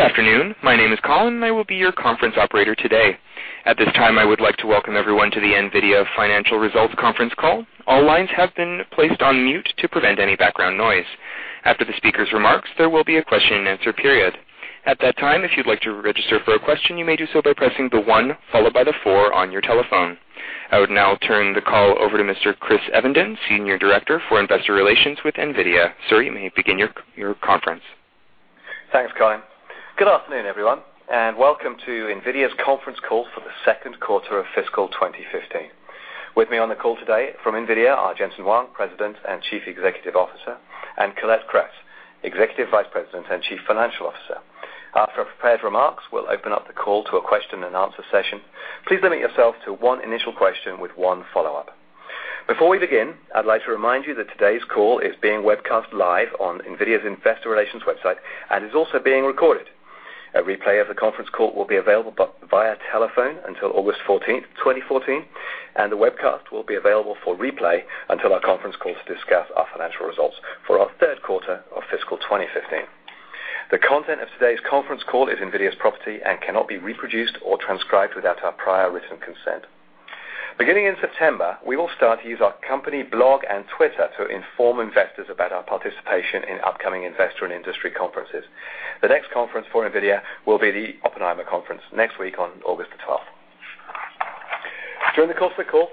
Good afternoon. My name is Colin, and I will be your conference operator today. At this time, I would like to welcome everyone to the NVIDIA Financial Results Conference Call. All lines have been placed on mute to prevent any background noise. After the speaker's remarks, there will be a question and answer period. At that time, if you'd like to register for a question, you may do so by pressing the one followed by the four on your telephone. I would now turn the call over to Mr. Chris Evenden, Senior Director for Investor Relations with NVIDIA. Sir, you may begin your conference. Thanks, Colin. Good afternoon, everyone, and welcome to NVIDIA's conference call for the second quarter of fiscal 2015. With me on the call today from NVIDIA are Jensen Huang, President and Chief Executive Officer, and Colette Kress, Executive Vice President and Chief Financial Officer. After our prepared remarks, we'll open up the call to a question and answer session. Please limit yourself to one initial question with one follow-up. Before we begin, I'd like to remind you that today's call is being webcast live on NVIDIA's investor relations website and is also being recorded. A replay of the conference call will be available via telephone until August 14th, 2014, and the webcast will be available for replay until our conference call to discuss our financial results for our third quarter of fiscal 2015. The content of today's conference call is NVIDIA's property and cannot be reproduced or transcribed without our prior written consent. Beginning in September, we will start to use our company blog and Twitter to inform investors about our participation in upcoming investor and industry conferences. The next conference for NVIDIA will be the Oppenheimer conference next week on August the 12th. During the course of the call,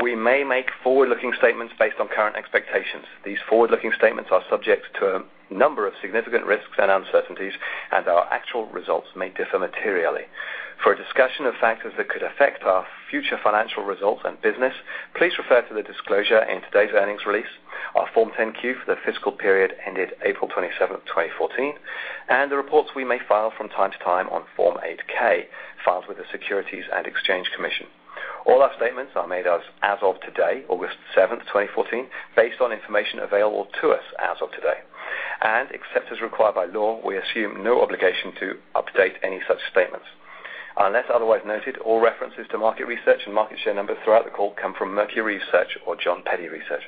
we may make forward-looking statements based on current expectations. These forward-looking statements are subject to a number of significant risks and uncertainties, and our actual results may differ materially. For a discussion of factors that could affect our future financial results and business, please refer to the disclosure in today's earnings release, our Form 10-Q for the fiscal period ended April 27th, 2014, and the reports we may file from time to time on Form 8-K, filed with the Securities and Exchange Commission. All our statements are made as of today, August 7th, 2014, based on information available to us as of today. Except as required by law, we assume no obligation to update any such statements. Unless otherwise noted, all references to market research and market share numbers throughout the call come from Mercury Research or Jon Peddie Research.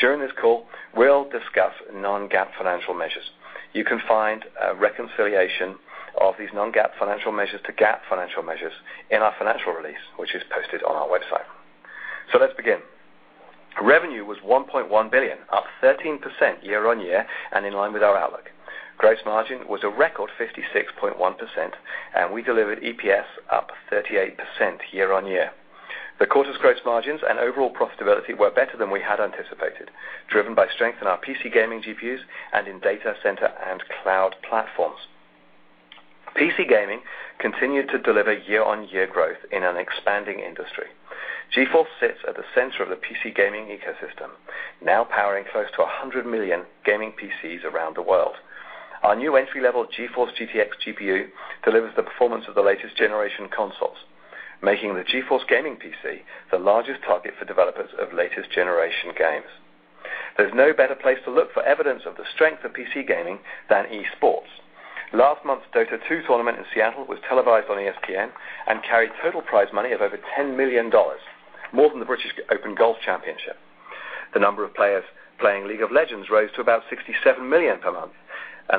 During this call, we'll discuss non-GAAP financial measures. You can find a reconciliation of these non-GAAP financial measures to GAAP financial measures in our financial release, which is posted on our website. Let's begin. Revenue was $1.1 billion, up 13% year-on-year and in line with our outlook. Gross margin was a record 56.1%, and we delivered EPS up 38% year-on-year. The quarter's gross margins and overall profitability were better than we had anticipated, driven by strength in our PC gaming GPUs and in data center and cloud platforms. PC gaming continued to deliver year-on-year growth in an expanding industry. GeForce sits at the center of the PC gaming ecosystem, now powering close to 100 million gaming PCs around the world. Our new entry-level GeForce GTX GPU delivers the performance of the latest generation consoles, making the GeForce gaming PC the largest target for developers of latest generation games. There's no better place to look for evidence of the strength of PC gaming than esports. Last month's Dota 2 tournament in Seattle was televised on ESPN and carried total prize money of over $10 million, more than the British Open Golf Championship. The number of players playing League of Legends rose to about 67 million per month,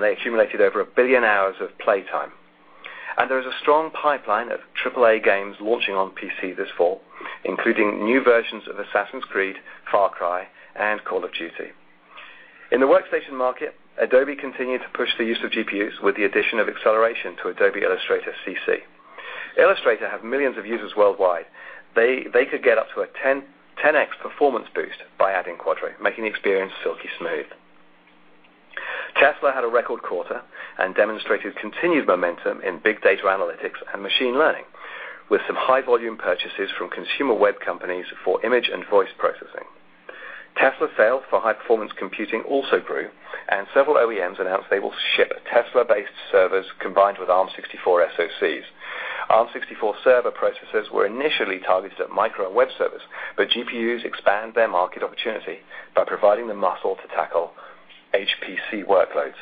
they accumulated over a billion hours of play time. There is a strong pipeline of AAA games launching on PC this fall, including new versions of Assassin's Creed, Far Cry, and Call of Duty. In the workstation market, Adobe continued to push the use of GPUs with the addition of acceleration to Adobe Illustrator CC. Illustrator have millions of users worldwide. They could get up to a 10x performance boost by adding Quadro, making the experience silky smooth. Tesla had a record quarter and demonstrated continued momentum in big data analytics and machine learning, with some high volume purchases from consumer web companies for image and voice processing. Tesla sales for high-performance computing also grew. Several OEMs announced they will ship Tesla-based servers combined with ARM 64 SoCs. ARM 64 server processors were initially targeted at micro and web servers, GPUs expand their market opportunity by providing the muscle to tackle HPC workloads.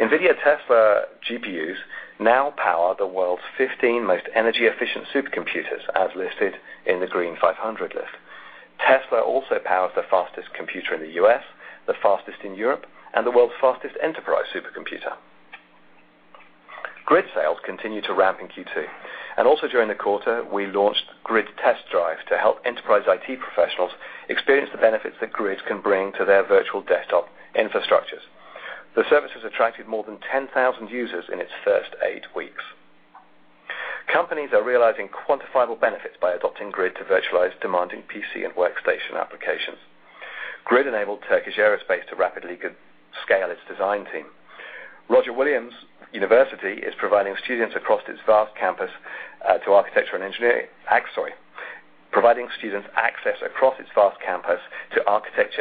NVIDIA Tesla GPUs now power the world's 15 most energy-efficient supercomputers, as listed in the Green500 list. Tesla also powers the fastest computer in the U.S., the fastest in Europe, and the world's fastest enterprise supercomputer. Grid sales continued to ramp in Q2. Also during the quarter, we launched Grid Test Drive to help enterprise IT professionals experience the benefits that Grid can bring to their virtual desktop infrastructures. The service has attracted more than 10,000 users in its first eight weeks. Companies are realizing quantifiable benefits by adopting Grid to virtualize demanding PC and workstation applications. Grid enabled Turkish Aerospace to rapidly scale its design team. Roger Williams University is providing students access across its vast campus to architecture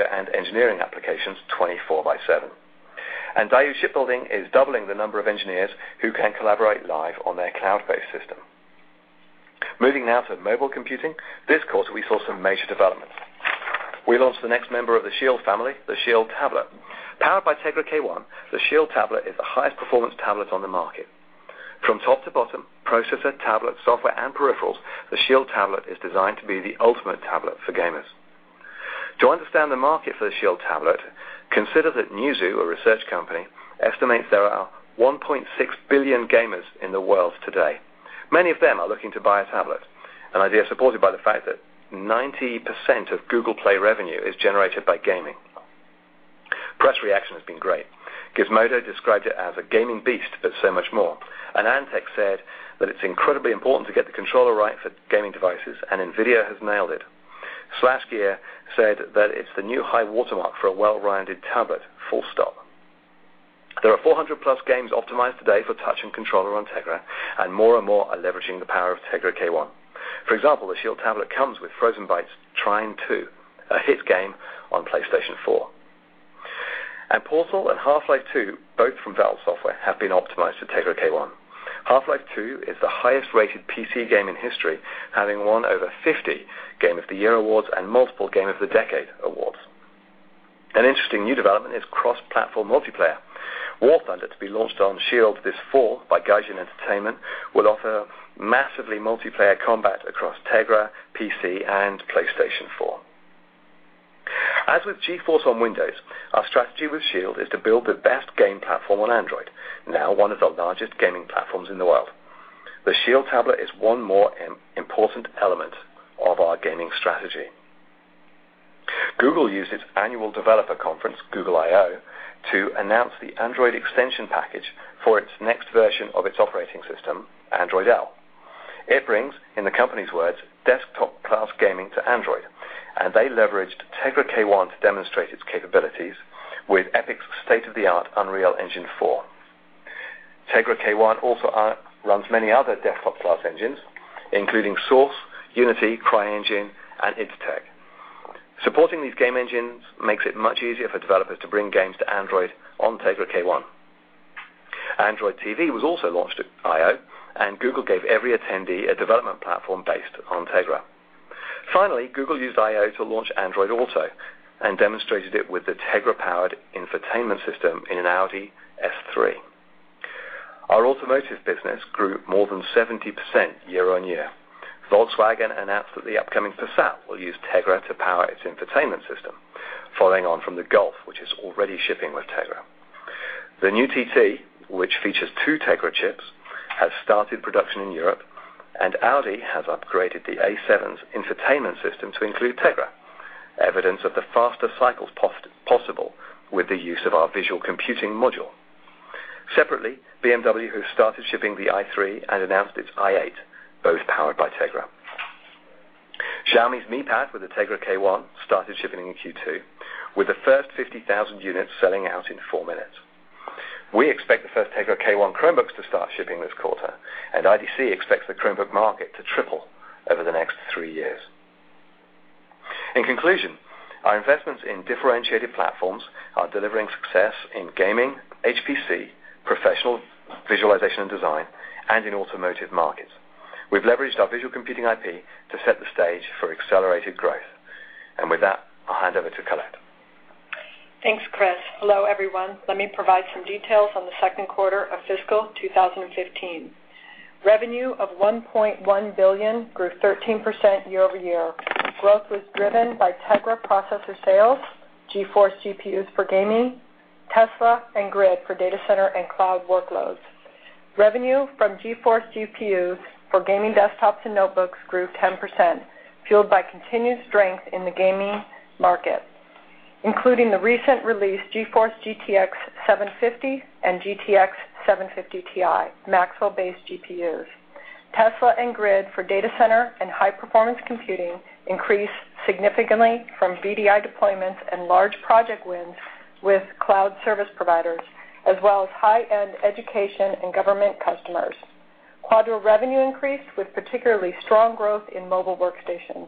and engineering applications 24 by 7. Daewoo Shipbuilding is doubling the number of engineers who can collaborate live on their cloud-based system. Moving now to mobile computing. This quarter, we saw some major developments. We launched the next member of the Shield family, the SHIELD Tablet. Powered by Tegra K1, the SHIELD Tablet is the highest performance tablet on the market. From top to bottom, processor, tablet, software, and peripherals, the SHIELD Tablet is designed to be the ultimate tablet for gamers. To understand the market for the SHIELD Tablet, consider that Newzoo, a research company, estimates there are 1.6 billion gamers in the world today. Many of them are looking to buy a tablet, an idea supported by the fact that 90% of Google Play revenue is generated by gaming. Press reaction has been great. Gizmodo described it as a gaming beast, but so much more. AnandTech said that it's incredibly important to get the controller right for gaming devices, and NVIDIA has nailed it. SlashGear said that it's the new high watermark for a well-rounded tablet, full stop. There are 400 plus games optimized today for touch and controller on Tegra, and more and more are leveraging the power of Tegra K1. For example, the SHIELD Tablet comes with Frozenbyte's "Trine 2", a hit game on PlayStation 4. "Portal" and "Half-Life 2", both from Valve Software, have been optimized for Tegra K1. "Half-Life 2" is the highest rated PC game in history, having won over 50 Game of the Year awards and multiple Game of the Decade awards. An interesting new development is cross-platform multiplayer. "War Thunder", to be launched on Shield this fall by Gaijin Entertainment, will offer massively multiplayer combat across Tegra, PC, and PlayStation 4. As with GeForce on Windows, our strategy with Shield is to build the best game platform on Android, now one of the largest gaming platforms in the world. The SHIELD Tablet is one more important element of our gaming strategy. Google used its annual developer conference, Google I/O, to announce the Android extension package for its next version of its operating system, Android L. It brings, in the company's words, desktop-class gaming to Android, and they leveraged Tegra K1 to demonstrate its capabilities with Epic's state-of-the-art Unreal Engine 4. Tegra K1 also runs many other desktop-class engines, including Source, Unity, CryEngine, and id Tech. Supporting these game engines makes it much easier for developers to bring games to Android on Tegra K1. Android TV was also launched at I/O, and Google gave every attendee a development platform based on Tegra. Finally, Google used I/O to launch Android Auto and demonstrated it with the Tegra-powered infotainment system in an Audi S3. Our automotive business grew more than 70% year-over-year. Volkswagen announced that the upcoming Passat will use Tegra to power its infotainment system, following on from the Golf, which is already shipping with Tegra. The new TT, which features two Tegra chips, has started production in Europe, and Audi has upgraded the A7's infotainment system to include Tegra, evidence of the faster cycles possible with the use of our visual computing module. Separately, BMW has started shipping the i3 and announced its i8, both powered by Tegra. Xiaomi's Mi Pad with the Tegra K1 started shipping in Q2, with the first 50,000 units selling out in four minutes. We expect the first Tegra K1 Chromebooks to start shipping this quarter, IDC expects the Chromebook market to triple over the next three years. In conclusion, our investments in differentiated platforms are delivering success in gaming, HPC, professional visualization and design, and in automotive markets. We've leveraged our visual computing IP to set the stage for accelerated growth. With that, I'll hand over to Colette. Thanks, Chris. Hello, everyone. Let me provide some details on the second quarter of fiscal 2015. Revenue of $1.1 billion grew 13% year-over-year. Growth was driven by Tegra processor sales, GeForce GPUs for gaming, Tesla, and Grid for data center and cloud workloads. Revenue from GeForce GPU for gaming desktops and notebooks grew 10%, fueled by continued strength in the gaming market, including the recent release GeForce GTX 750 and GTX 750 Ti Maxwell-based GPUs. Tesla and Grid for data center and high-performance computing increased significantly from VDI deployments and large project wins with cloud service providers, as well as high-end education and government customers. Quadro revenue increased with particularly strong growth in mobile workstations.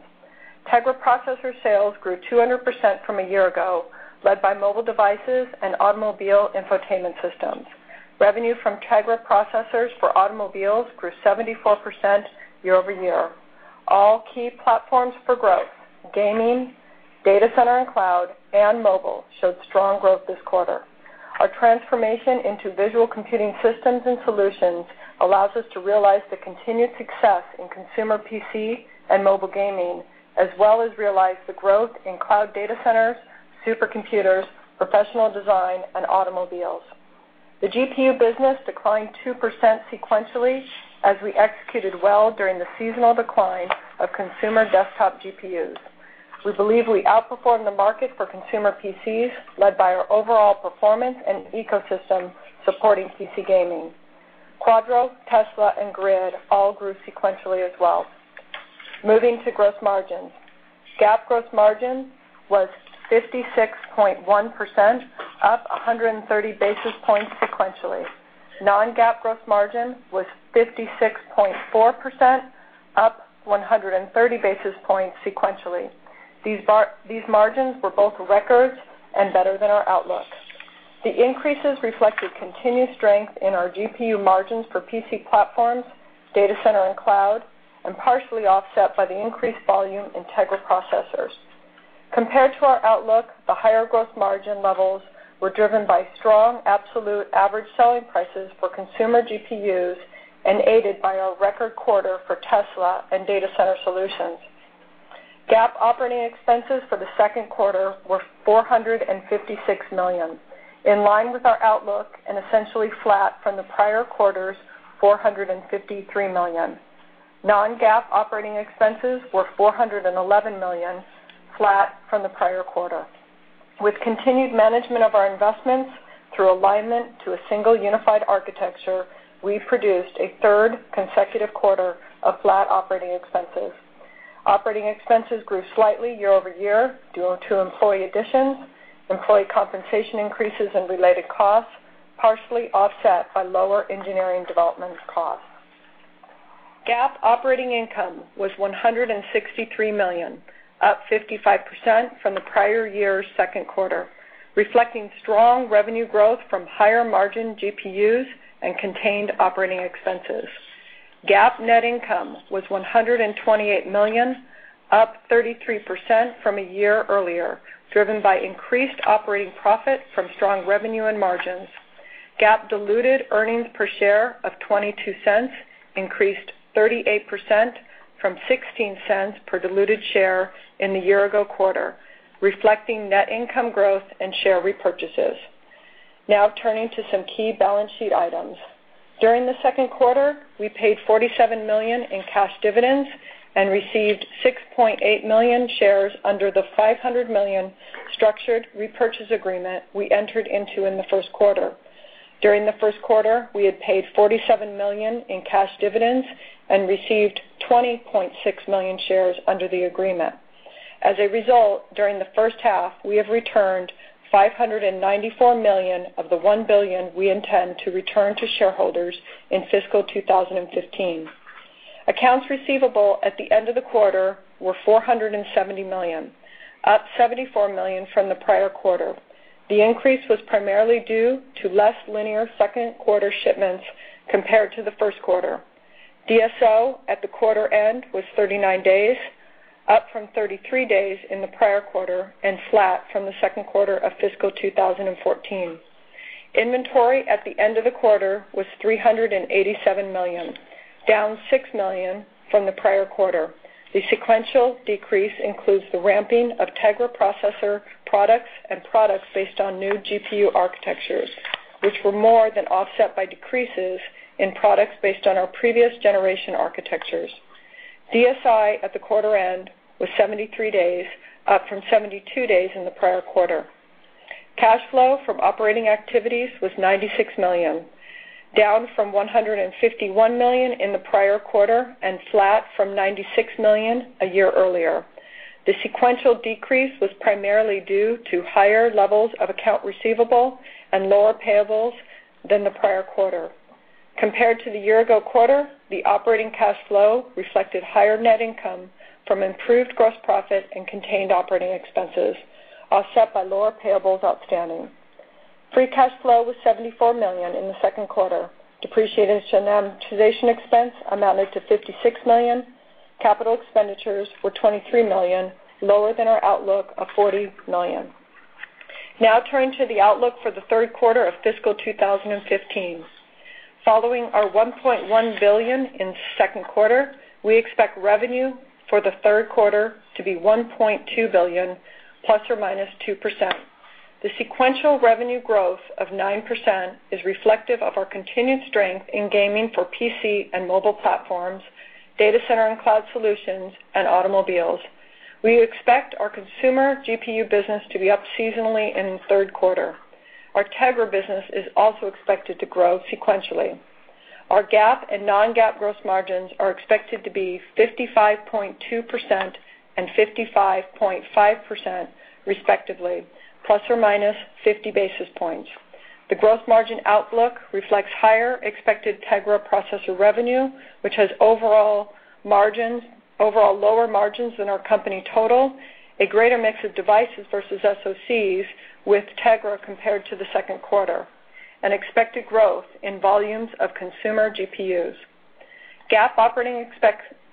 Tegra processor sales grew 200% from a year ago, led by mobile devices and automobile infotainment systems. Revenue from Tegra processors for automobiles grew 74% year-over-year. All key platforms for growth, gaming, data center and cloud, and mobile, showed strong growth this quarter. Our transformation into visual computing systems and solutions allows us to realize the continued success in consumer PC and mobile gaming, as well as realize the growth in cloud data centers, supercomputers, professional design, and automobiles. The GPU business declined 2% sequentially as we executed well during the seasonal decline of consumer desktop GPUs. We believe we outperformed the market for consumer PCs, led by our overall performance and ecosystem supporting PC gaming. Quadro, Tesla, and Grid all grew sequentially as well. Moving to gross margins. GAAP gross margin was 56.1%, up 130 basis points sequentially. Non-GAAP gross margin was 56.4%, up 130 basis points sequentially. These margins were both records and better than our outlook. The increases reflected continued strength in our GPU margins for PC platforms, data center, and cloud, and partially offset by the increased volume in Tegra processors. Compared to our outlook, the higher growth margin levels were driven by strong absolute average selling prices for consumer GPUs and aided by our record quarter for Tesla and data center solutions. GAAP operating expenses for the second quarter were $456 million, in line with our outlook and essentially flat from the prior quarter's $453 million. Non-GAAP operating expenses were $411 million, flat from the prior quarter. With continued management of our investments through alignment to a single unified architecture, we produced a third consecutive quarter of flat operating expenses. Operating expenses grew slightly year-over-year due to employee additions, employee compensation increases, and related costs, partially offset by lower engineering development costs. GAAP operating income was $163 million, up 55% from the prior year's second quarter, reflecting strong revenue growth from higher margin GPUs and contained operating expenses. GAAP net income was $128 million, up 33% from a year earlier, driven by increased operating profit from strong revenue and margins. GAAP diluted earnings per share of $0.22 increased 38% from $0.16 per diluted share in the year-ago quarter, reflecting net income growth and share repurchases. Now turning to some key balance sheet items. During the second quarter, we paid $47 million in cash dividends and received 6.8 million shares under the $500 million structured repurchase agreement we entered into in the first quarter. During the first quarter, we had paid $47 million in cash dividends and received 20.6 million shares under the agreement. As a result, during the first half, we have returned $594 million of the $1 billion we intend to return to shareholders in fiscal 2015. Accounts receivable at the end of the quarter were $470 million, up $74 million from the prior quarter. The increase was primarily due to less linear second quarter shipments compared to the first quarter. DSO at the quarter end was 39 days, up from 33 days in the prior quarter and flat from the second quarter of fiscal 2014. Inventory at the end of the quarter was $387 million, down $6 million from the prior quarter. The sequential decrease includes the ramping of Tegra processor products and products based on new GPU architectures, which were more than offset by decreases in products based on our previous generation architectures. DSI at the quarter end was 73 days, up from 72 days in the prior quarter. Cash flow from operating activities was $96 million, down from $151 million in the prior quarter and flat from $96 million a year earlier. The sequential decrease was primarily due to higher levels of account receivable and lower payables than the prior quarter. Compared to the year-ago quarter, the operating cash flow reflected higher net income from improved gross profit and contained operating expenses, offset by lower payables outstanding. Free cash flow was $74 million in the second quarter. Depreciation expense amounted to $56 million. Capital expenditures were $23 million, lower than our outlook of $40 million. Now turning to the outlook for the third quarter of fiscal 2015. Following our $1.1 billion in second quarter, we expect revenue for the third quarter to be $1.2 billion, ±2%. The sequential revenue growth of 9% is reflective of our continued strength in gaming for PC and mobile platforms, data center and cloud solutions, and automobiles. We expect our consumer GPU business to be up seasonally in the third quarter. Our Tegra business is also expected to grow sequentially. Our GAAP and non-GAAP gross margins are expected to be 55.2% and 55.5%, respectively, ±50 basis points. The gross margin outlook reflects higher expected Tegra processor revenue, which has overall lower margins than our company total, a greater mix of devices versus SoCs with Tegra compared to the second quarter, and expected growth in volumes of consumer GPUs. GAAP operating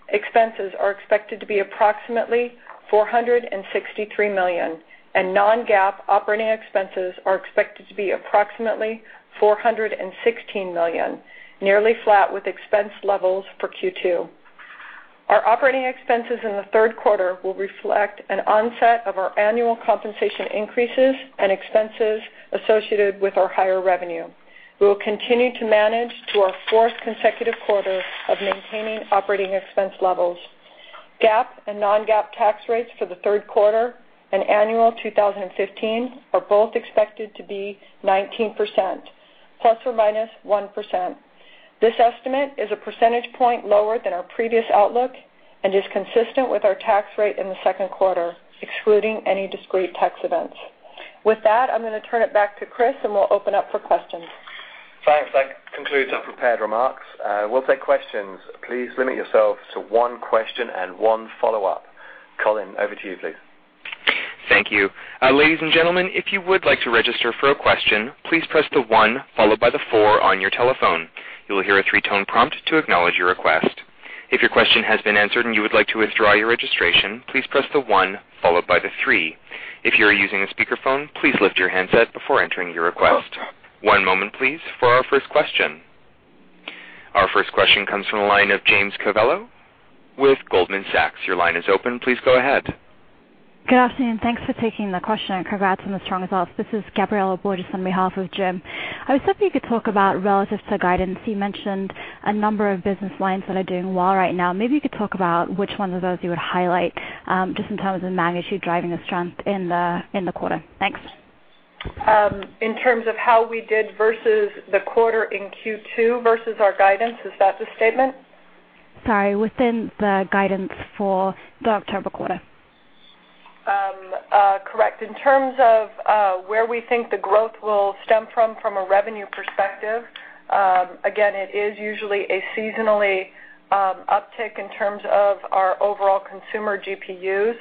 expenses are expected to be approximately $463 million, and non-GAAP operating expenses are expected to be approximately $416 million, nearly flat with expense levels for Q2. Our operating expenses in the third quarter will reflect an onset of our annual compensation increases and expenses associated with our higher revenue. We will continue to manage to our fourth consecutive quarter of maintaining operating expense levels. GAAP and non-GAAP tax rates for the third quarter and annual 2015 are both expected to be 19%, ±1%. This estimate is a percentage point lower than our previous outlook and is consistent with our tax rate in the second quarter, excluding any discrete tax events. With that, I'm going to turn it back to Chris, and we'll open up for questions. Thanks. That concludes our prepared remarks. We will take questions. Please limit yourselves to one question and one follow-up. Colin, over to you, please. Thank you. Ladies and gentlemen, if you would like to register for a question, please press the one followed by the four on your telephone. You will hear a three-tone prompt to acknowledge your request. If your question has been answered and you would like to withdraw your registration, please press the one followed by the three. If you are using a speakerphone, please lift your handset before entering your request. One moment please for our first question. Our first question comes from the line of James Covello with Goldman Sachs. Your line is open. Please go ahead. Good afternoon. Thanks for taking the question. Congrats on the strong results. This is Gabriela Borges on behalf of Jim. I was hoping you could talk about relative to guidance. You mentioned a number of business lines that are doing well right now. Maybe you could talk about which ones of those you would highlight, just in terms of the magnitude driving the strength in the quarter. Thanks. In terms of how we did versus the quarter in Q2 versus our guidance, is that the statement? Sorry, within the guidance for the October quarter. Correct. In terms of where we think the growth will stem from a revenue perspective, again, it is usually a seasonally uptick in terms of our overall consumer GPUs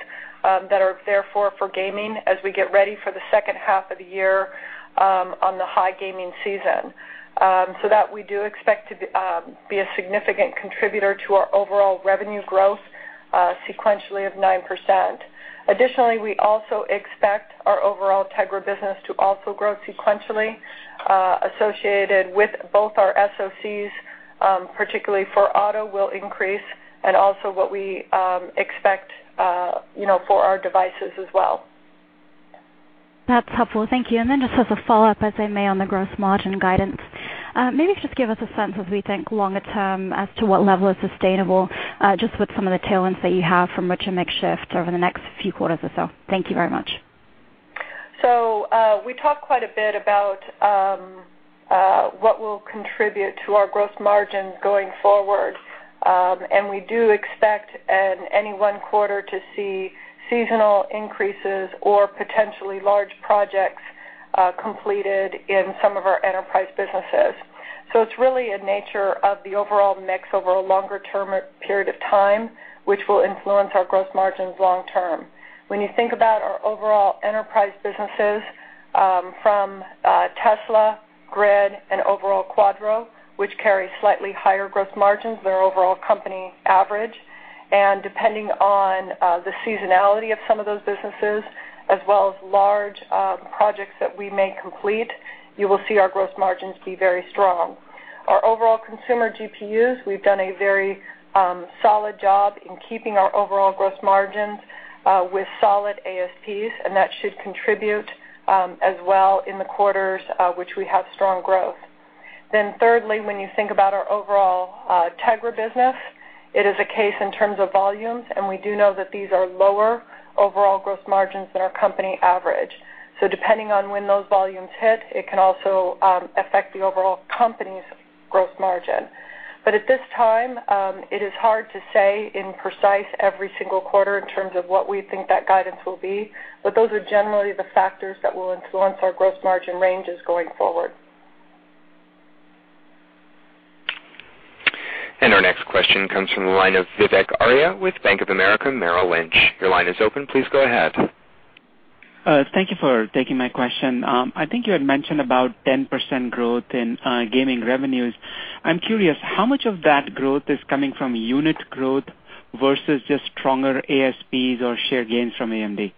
that are therefore for gaming as we get ready for the second half of the year on the high gaming season. That we do expect to be a significant contributor to our overall revenue growth sequentially of 9%. Additionally, we also expect our overall Tegra business to also grow sequentially, associated with both our SoCs, particularly for auto will increase, and also what we expect for our devices as well. That's helpful. Thank you. Then just as a follow-up, as I may on the gross margin guidance, maybe just give us a sense of we think longer term as to what level is sustainable, just with some of the tailwinds that you have from which a mix shift over the next few quarters or so. Thank you very much. We talked quite a bit about what will contribute to our gross margin going forward. We do expect any one quarter to see seasonal increases or potentially large projects completed in some of our enterprise businesses. It's really a nature of the overall mix over a longer-term period of time, which will influence our gross margins long term. When you think about our overall enterprise businesses, from Tesla, Grid, and overall Quadro, which carry slightly higher gross margins than our overall company average, and depending on the seasonality of some of those businesses, as well as large projects that we may complete, you will see our gross margins be very strong. Our overall consumer GPUs, we've done a very solid job in keeping our overall gross margins with solid ASPs, and that should contribute as well in the quarters which we have strong growth. thirdly, when you think about our overall Tegra business, it is a case in terms of volumes, and we do know that these are lower overall gross margins than our company average. Depending on when those volumes hit, it can also affect the overall company's gross margin. At this time, it is hard to say in precise every single quarter in terms of what we think that guidance will be. Those are generally the factors that will influence our gross margin ranges going forward. Our next question comes from the line of Vivek Arya with Bank of America Merrill Lynch. Your line is open. Please go ahead. Thank you for taking my question. I think you had mentioned about 10% growth in gaming revenues. I'm curious, how much of that growth is coming from unit growth versus just stronger ASPs or share gains from AMD?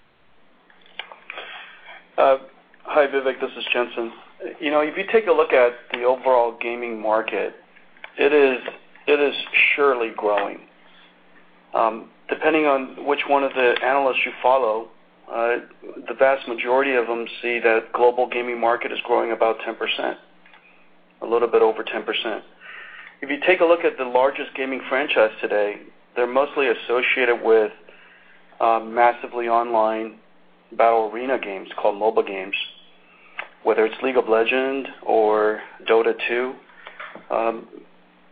Hi, Vivek, this is Jensen. If you take a look at the overall gaming market, it is surely growing. Depending on which one of the analysts you follow, the vast majority of them see that global gaming market is growing about 10%, a little bit over 10%. If you take a look at the largest gaming franchise today, they're mostly associated with massively online battle arena games called MOBA games. Whether it's League of Legends or Dota 2,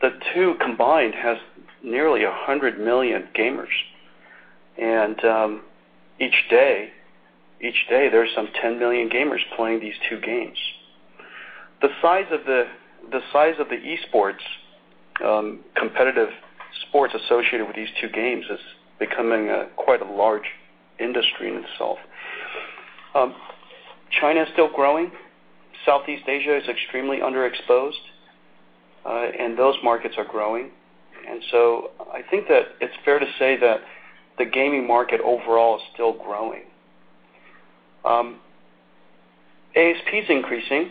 the two combined has nearly 100 million gamers. Each day, there's some 10 million gamers playing these two games. The size of the esports, competitive sports associated with these two games is becoming quite a large industry in itself. China is still growing. Southeast Asia is extremely underexposed, those markets are growing. I think that it's fair to say that the gaming market overall is still growing. ASP is increasing,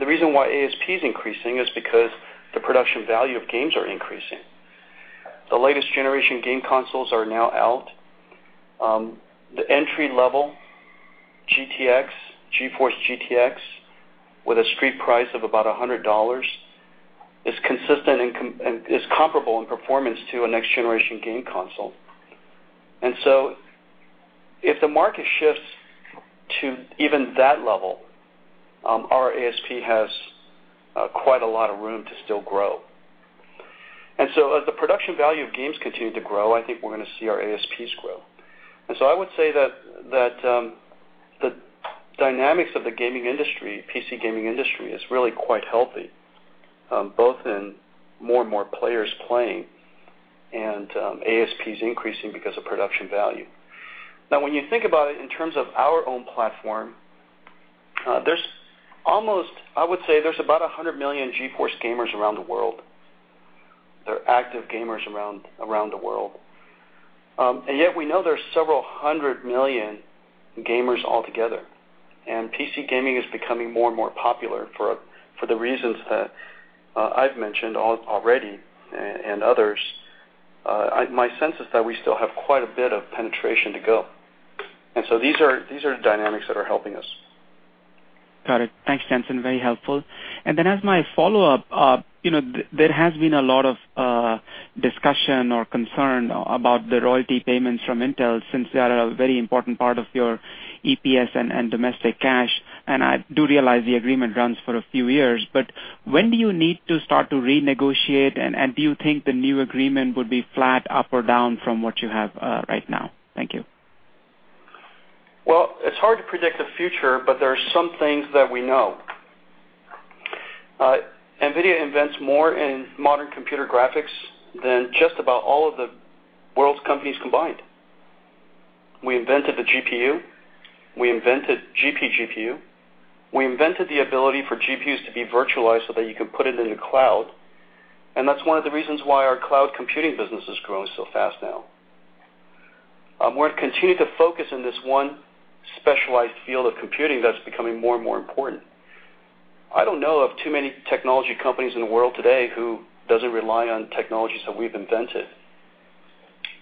the reason why ASP is increasing is because the production value of games are increasing. The latest generation game consoles are now out. The entry-level GeForce GTX, with a street price of about $100, is comparable in performance to a next-generation game console. If the market shifts to even that level, our ASP has quite a lot of room to still grow. As the production value of games continue to grow, I think we're going to see our ASPs grow. I would say that the dynamics of the PC gaming industry is really quite healthy, both in more and more players playing and ASP is increasing because of production value. Now, when you think about it in terms of our own platform I would say there's about 100 million GeForce gamers around the world. They're active gamers around the world. We know there are several hundred million gamers altogether, and PC gaming is becoming more and more popular for the reasons that I've mentioned already, and others. My sense is that we still have quite a bit of penetration to go. These are dynamics that are helping us. Got it. Thanks, Jensen. Very helpful. As my follow-up, there has been a lot of discussion or concern about the royalty payments from Intel since they are a very important part of your EPS and domestic cash, I do realize the agreement runs for a few years, when do you need to start to renegotiate, do you think the new agreement would be flat up or down from what you have right now? Thank you. It's hard to predict the future, there are some things that we know. NVIDIA invents more in modern computer graphics than just about all of the world's companies combined. We invented the GPU. We invented GPGPU. We invented the ability for GPUs to be virtualized so that you can put it in the cloud, that's one of the reasons why our cloud computing business is growing so fast now. We're continuing to focus on this one specialized field of computing that's becoming more and more important. I don't know of too many technology companies in the world today who doesn't rely on technologies that we've invented.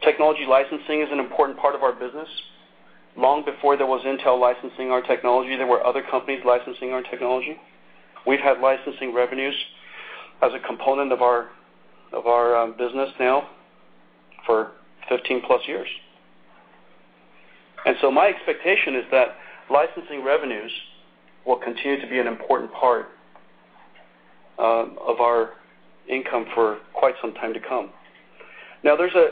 Technology licensing is an important part of our business. Long before there was Intel licensing our technology, there were other companies licensing our technology. We've had licensing revenues as a component of our business now for 15-plus years. My expectation is that licensing revenues will continue to be an important part of our income for quite some time to come. There's a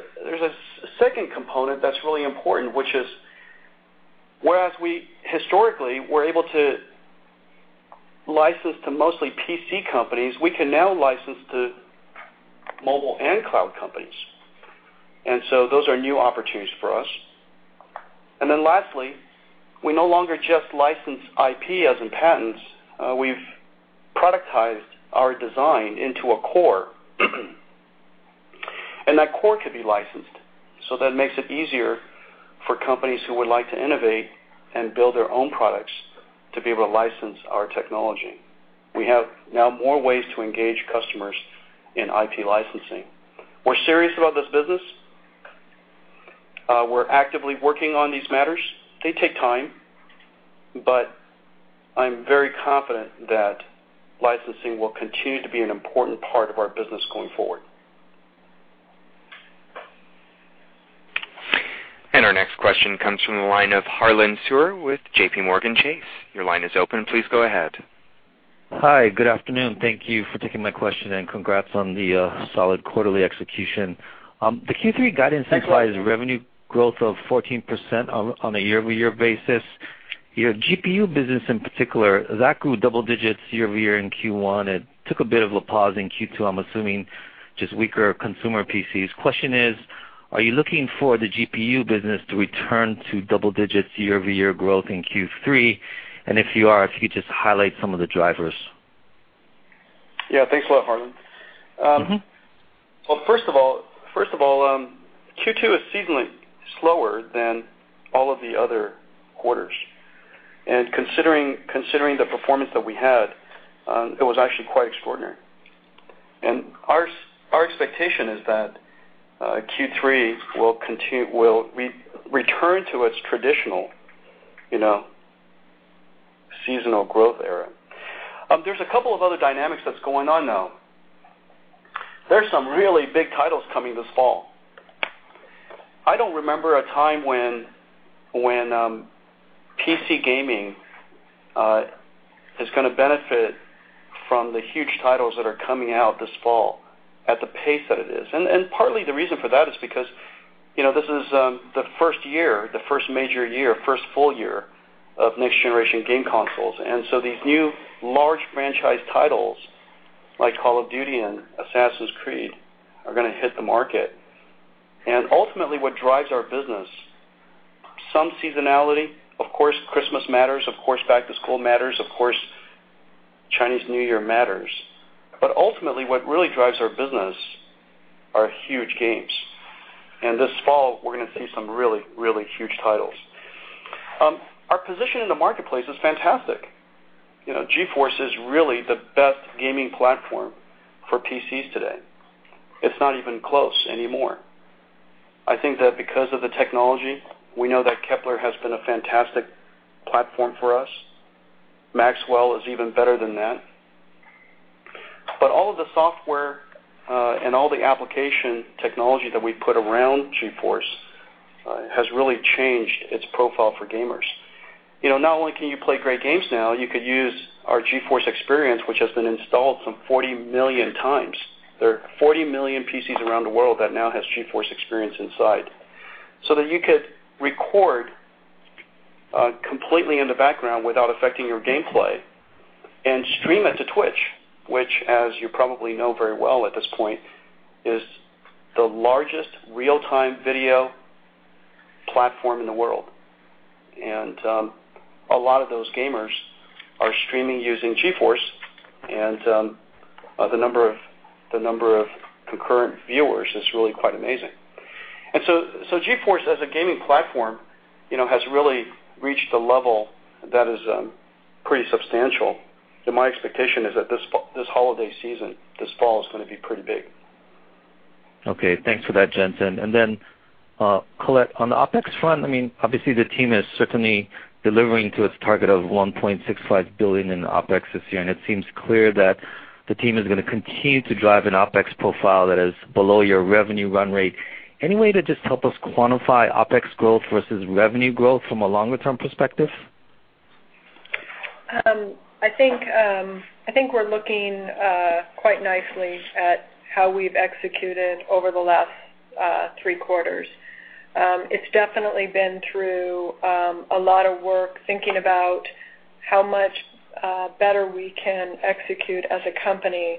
second component that's really important, which is, whereas we historically were able to license to mostly PC companies, we can now license to mobile and cloud companies. Those are new opportunities for us. Lastly, we no longer just license IP as in patents. We've productized our design into a core, and that core could be licensed. That makes it easier for companies who would like to innovate and build their own products to be able to license our technology. We have now more ways to engage customers in IP licensing. We're serious about this business. We're actively working on these matters. They take time, I'm very confident that licensing will continue to be an important part of our business going forward. Our next question comes from the line of Harlan Sur with JPMorgan Chase. Your line is open. Please go ahead. Hi. Good afternoon. Thank you for taking my question, congrats on the solid quarterly execution. The Q3 guidance implies- Thanks, Harlan. revenue growth of 14% on a year-over-year basis. Your GPU business in particular, that grew double digits year-over-year in Q1. It took a bit of a pause in Q2, I'm assuming just weaker consumer PCs. Question is, are you looking for the GPU business to return to double digits year-over-year growth in Q3? If you are, if you could just highlight some of the drivers. Yeah. Thanks a lot, Harlan. Well, first of all, Q2 is seasonally slower than all of the other quarters. Considering the performance that we had, it was actually quite extraordinary. Our expectation is that Q3 will return to its traditional seasonal growth era. There's a couple of other dynamics that's going on, though. There's some really big titles coming this fall. I don't remember a time when PC gaming is going to benefit from the huge titles that are coming out this fall at the pace that it is. Partly the reason for that is because this is the first major year, first full year, of next-generation game consoles. These new large franchise titles like Call of Duty and Assassin's Creed are going to hit the market. Ultimately what drives our business, some seasonality, of course Christmas matters, of course back-to-school matters, of course Chinese New Year matters, but ultimately what really drives our business are huge games. This fall, we're going to see some really, really huge titles. Our position in the marketplace is fantastic. GeForce is really the best gaming platform for PCs today. It's not even close anymore. I think that because of the technology, we know that Kepler has been a fantastic platform for us. Maxwell is even better than that. All of the software, and all the application technology that we put around GeForce has really changed its profile for gamers. Not only can you play great games now, you could use our GeForce Experience, which has been installed some 40 million times. There are 40 million PCs around the world that now has GeForce Experience inside. That you could record completely in the background without affecting your gameplay and stream it to Twitch, which as you probably know very well at this point, is the largest real-time video platform in the world. A lot of those gamers are streaming using GeForce, and the number of concurrent viewers is really quite amazing. GeForce as a gaming platform has really reached a level that is pretty substantial, that my expectation is that this holiday season, this fall is going to be pretty big. Okay. Thanks for that, Jensen. Colette, on the OpEx front, obviously the team is certainly delivering to its target of $1.65 billion in OpEx this year, and it seems clear that the team is going to continue to drive an OpEx profile that is below your revenue run rate. Any way to just help us quantify OpEx growth versus revenue growth from a longer-term perspective? I think we're looking quite nicely at how we've executed over the last three quarters. It's definitely been through a lot of work, thinking about how much better we can execute as a company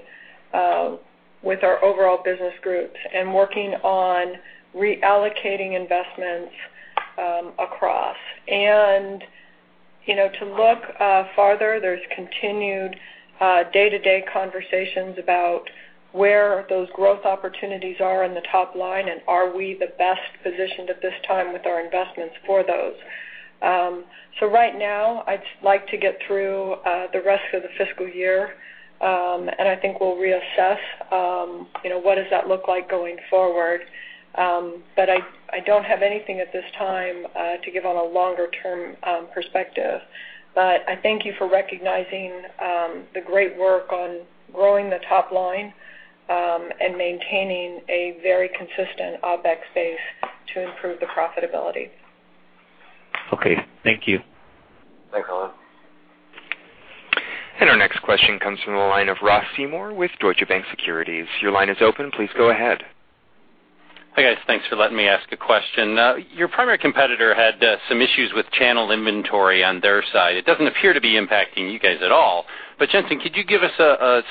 with our overall business groups and working on reallocating investments across. To look farther, there's continued day-to-day conversations about where those growth opportunities are in the top line, and are we the best positioned at this time with our investments for those. Right now, I'd like to get through the rest of the fiscal year, and I think we'll reassess what does that look like going forward. I don't have anything at this time to give on a longer-term perspective. I thank you for recognizing the great work on growing the top line, and maintaining a very consistent OpEx base to improve the profitability. Okay. Thank you. Thanks, Harlan. Our next question comes from the line of Ross Seymore with Deutsche Bank Securities. Your line is open. Please go ahead. Hi, guys. Thanks for letting me ask a question. Your primary competitor had some issues with channel inventory on their side. It doesn't appear to be impacting you guys at all. Jensen, could you give us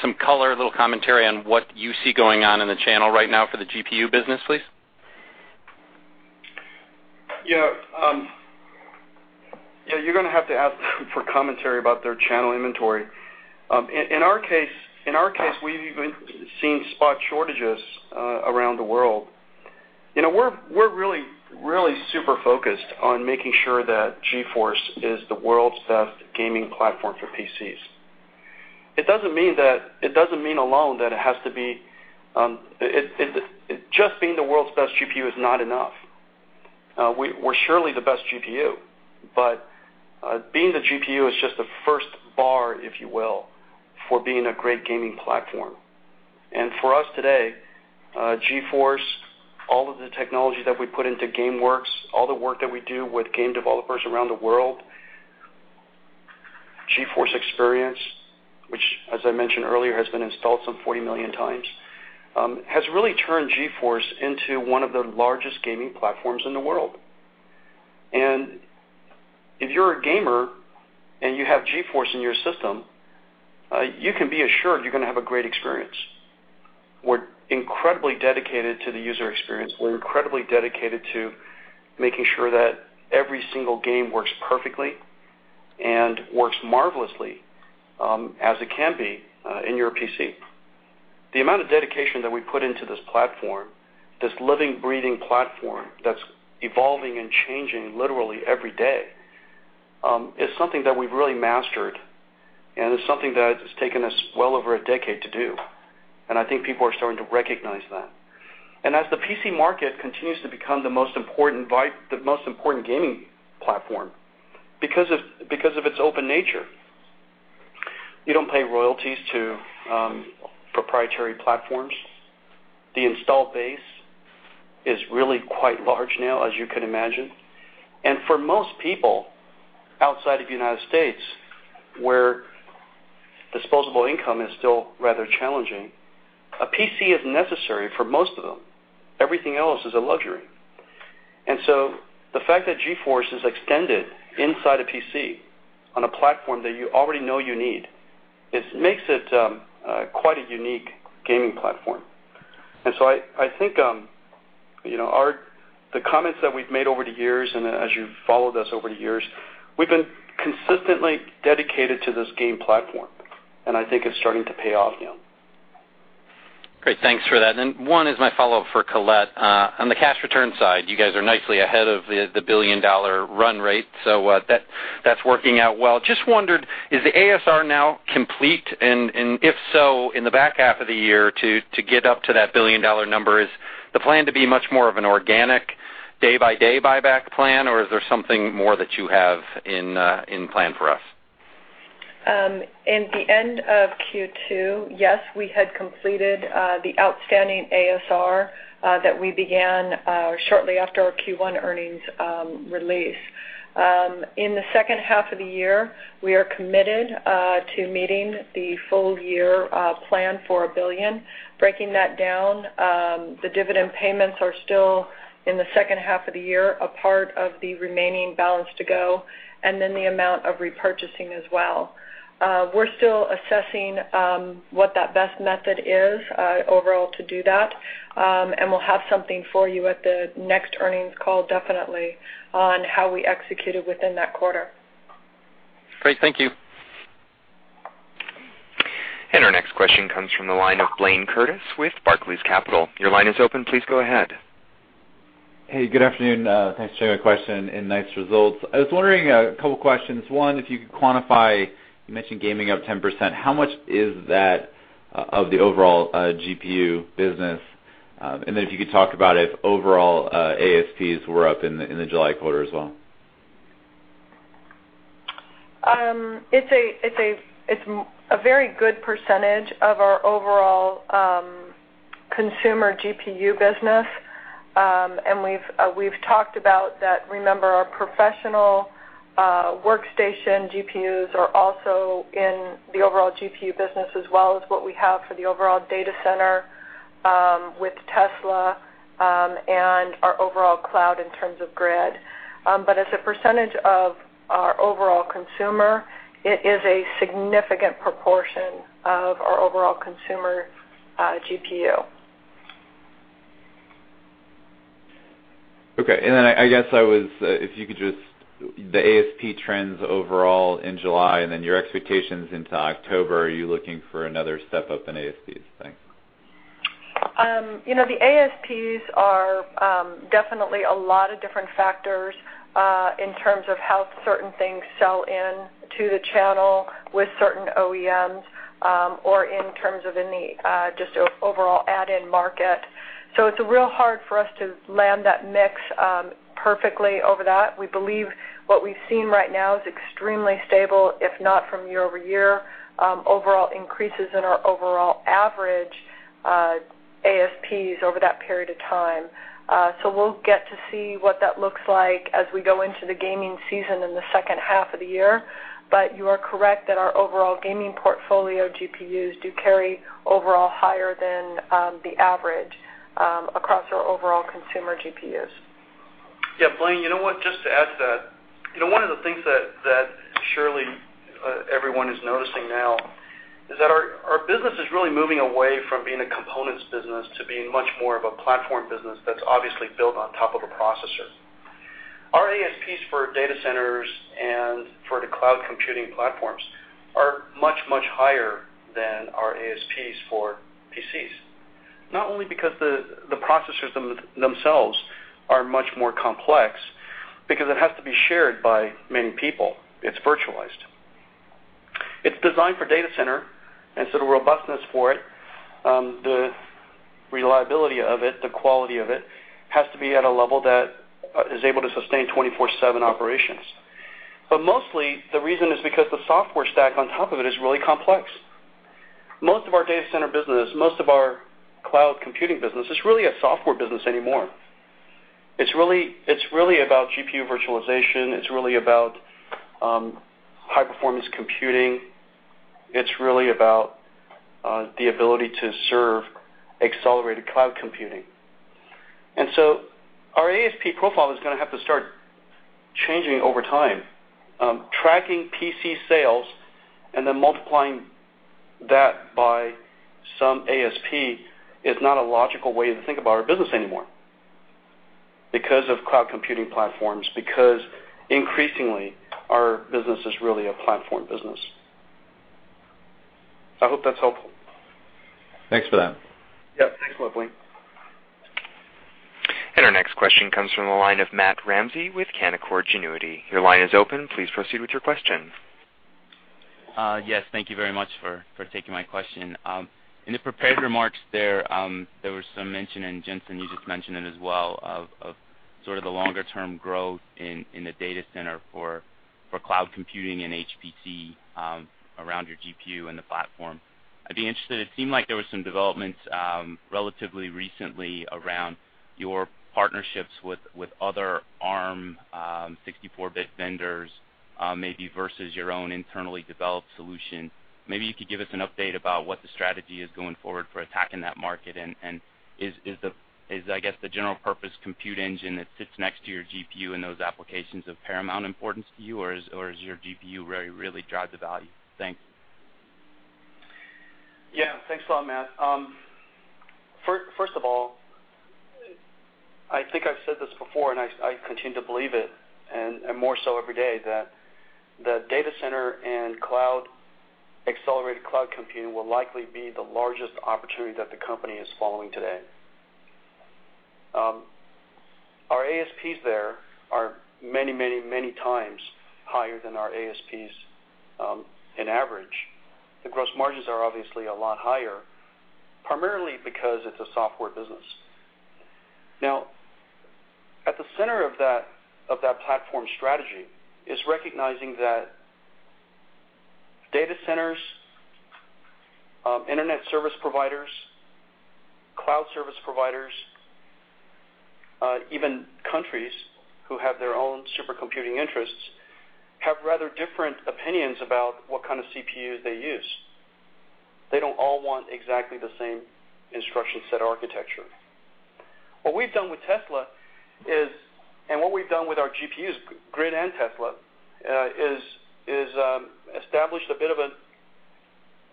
some color, a little commentary on what you see going on in the channel right now for the GPU business, please? Yeah. You're going to have to ask them for commentary about their channel inventory. In our case, we've even seen spot shortages around the world. We're really super focused on making sure that GeForce is the world's best gaming platform for PCs. It doesn't mean alone that being the world's best GPU is not enough. We're surely the best GPU, but being the GPU is just the first bar, if you will, for being a great gaming platform. For us today, GeForce, all of the technology that we put into GameWorks, all the work that we do with game developers around the world, GeForce Experience, which as I mentioned earlier, has been installed some 40 million times, has really turned GeForce into one of the largest gaming platforms in the world. If you're a gamer and you have GeForce in your system, you can be assured you're going to have a great experience. We're incredibly dedicated to the user experience. We're incredibly dedicated to making sure that every single game works perfectly and works marvelously as it can be in your PC. The amount of dedication that we put into this platform, this living, breathing platform that's evolving and changing literally every day, is something that we've really mastered, and it's something that has taken us well over a decade to do. I think people are starting to recognize that. As the PC market continues to become the most important gaming platform, because of its open nature, you don't pay royalties to proprietary platforms. The install base is really quite large now, as you can imagine. For most people outside of the U.S., where disposable income is still rather challenging, a PC is necessary for most of them. Everything else is a luxury. The fact that GeForce is extended inside a PC on a platform that you already know you need, it makes it quite a unique gaming platform. I think the comments that we've made over the years, as you've followed us over the years, we've been consistently dedicated to this game platform, I think it's starting to pay off now. Great. Thanks for that. One is my follow-up for Colette. On the cash return side, you guys are nicely ahead of the billion-dollar run rate. That's working out well. Just wondered, is the ASR now complete? If so, in the back half of the year to get up to that billion-dollar number, is the plan to be much more of an organic day-by-day buyback plan, or is there something more that you have in plan for us? In the end of Q2, yes, we had completed the outstanding ASR that we began shortly after our Q1 earnings release. In the second half of the year, we are committed to meeting the full year plan for $1 billion. Breaking that down, the dividend payments are still in the second half of the year, a part of the remaining balance to go, then the amount of repurchasing as well. We're still assessing what that best method is overall to do that. We'll have something for you at the next earnings call, definitely, on how we executed within that quarter. Great. Thank you. Our next question comes from the line of Blayne Curtis with Barclays Capital. Your line is open. Please go ahead. Hey, good afternoon. Thanks for taking my question, and nice results. I was wondering a couple questions. One, if you could quantify. You mentioned gaming up 10%. How much is that of the overall GPU business? Then if you could talk about if overall ASPs were up in the July quarter as well. It's a very good percentage of our overall consumer GPU business. We've talked about that, remember, our professional workstation GPUs are also in the overall GPU business as well as what we have for the overall data center, with Tesla, and our overall cloud in terms of Grid. As a percentage of our overall consumer, it is a significant proportion of our overall consumer GPU. Okay. Then if you could, just the ASP trends overall in July, then your expectations into October, are you looking for another step up in ASPs? Thanks. The ASPs are definitely a lot of different factors, in terms of how certain things sell in to the channel with certain OEMs, or in terms of in the just overall add-in market. It's real hard for us to land that mix, perfectly over that. We believe what we've seen right now is extremely stable, if not from year-over-year, overall increases in our overall average, ASPs over that period of time. We'll get to see what that looks like as we go into the gaming season in the second half of the year. You are correct that our overall gaming portfolio GPUs do carry overall higher than the average, across our overall consumer GPUs. Yeah. Blayne, you know what? Just to add to that, one of the things that surely everyone is noticing now is that our business is really moving away from being a components business to being much more of a platform business that's obviously built on top of a processor. Our ASPs for data centers and for the cloud computing platforms are much, much higher than our ASPs for PCs. Not only because the processors themselves are much more complex, because it has to be shared by many people. It's virtualized. It's designed for data center, so the robustness for it, the reliability of it, the quality of it, has to be at a level that is able to sustain 24/7 operations. Mostly the reason is because the software stack on top of it is really complex. Most of our data center business, most of our cloud computing business, is really a software business anymore. It's really about GPU virtualization. It's really about high-performance computing. It's really about the ability to serve accelerated cloud computing. Our ASP profile is going to have to start changing over time. Tracking PC sales and then multiplying that by some ASP is not a logical way to think about our business anymore, because of cloud computing platforms, because increasingly, our business is really a platform business. I hope that's helpful. Thanks for that. Yeah. Thanks a lot, Blayne. Our next question comes from the line of Matthew Ramsay with Canaccord Genuity. Your line is open. Please proceed with your question. Yes, thank you very much for taking my question. In the prepared remarks there was some mention, and Jensen, you just mentioned it as well, of sort of the longer-term growth in the data center for cloud computing and HPC, around your GPU and the platform. I'd be interested, it seemed like there was some developments, relatively recently around your partnerships with other ARM 64-bit vendors, maybe versus your own internally developed solution. Maybe you could give us an update about what the strategy is going forward for attacking that market, and is, I guess the general purpose compute engine that sits next to your GPU in those applications of paramount importance to you, or is your GPU where you really drive the value? Thanks. Yeah. Thanks a lot, Matt. First of all, I think I've said this before, and I continue to believe it, and more so every day, that data center and accelerated cloud computing will likely be the largest opportunity that the company is following today. Our ASPs there are many, many, many times higher than our ASPs in average. The gross margins are obviously a lot higher, primarily because it's a software business. At the center of that platform strategy is recognizing that data centers, internet service providers, cloud service providers, even countries who have their own supercomputing interests, have rather different opinions about what kind of CPUs they use. They don't all want exactly the same instruction set architecture. What we've done with Tesla is, what we've done with our GPUs, Grid and Tesla, is established a bit of a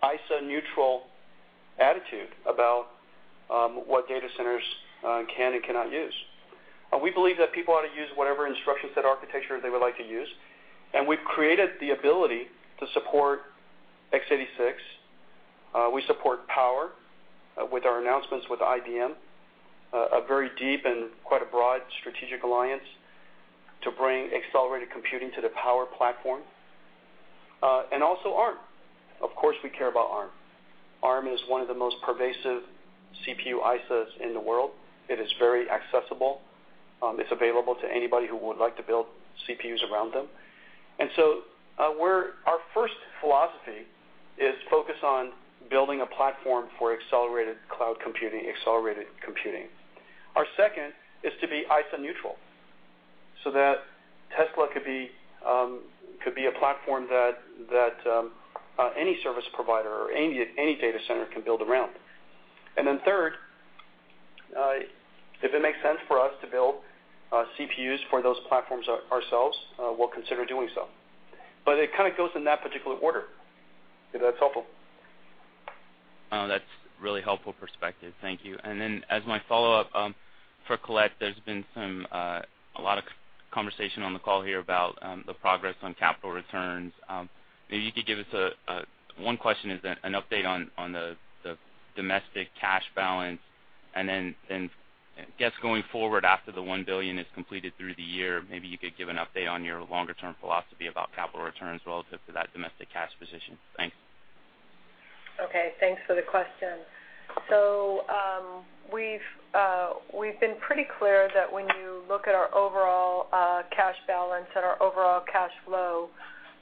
ISA neutral attitude about what data centers can and cannot use. We believe that people ought to use whatever instruction set architecture they would like to use, and we've created the ability to support x86. We support Power with our announcements with IBM, a very deep and quite a broad strategic alliance to bring accelerated computing to the Power platform. Also ARM. Of course, we care about ARM. ARM is one of the most pervasive CPU ISAs in the world. It is very accessible. It's available to anybody who would like to build CPUs around them. Our first philosophy is focus on building a platform for accelerated cloud computing, accelerated computing. Our second is to be ISA neutral, so that Tesla could be a platform that any service provider or any data center can build around. Third, if it makes sense for us to build CPUs for those platforms ourselves, we'll consider doing so. It kind of goes in that particular order, if that's helpful. That's really helpful perspective. Thank you. As my follow-up, for Colette, there's been a lot of conversation on the call here about the progress on capital returns. Maybe you could give us, one question is an update on the domestic cash balance, I guess going forward after the $1 billion is completed through the year, maybe you could give an update on your longer-term philosophy about capital returns relative to that domestic cash position. Thanks. Okay, thanks for the question. We've been pretty clear that when you look at our overall cash balance and our overall cash flow,